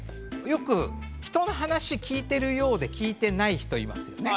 よく人の話聞いてるようで聞いてない人いますよね？